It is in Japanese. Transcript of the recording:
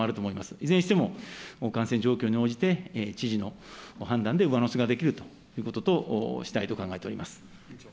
いずれにしても、感染状況に応じて、知事の判断で上乗せができるということとしたいと考えております。